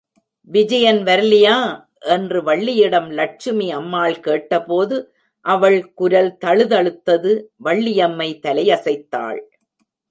விஜயன் வரலியா? என்று வள்ளியிடம் லட்சுமி அம்மாள் கேட்டபோது அவள் குரல் தழுதழுத்தது வள்ளியம்மை தலையசைத்தாள்.